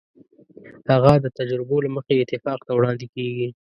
هغه د تجربو له مخې اتفاق ته وړاندې کېږي.